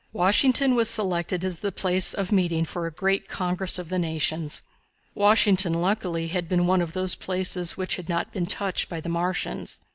Washington was selected as the place of meeting for a great congress of the nations. Washington, luckily, had been one of the places which had not been touched by the Martians.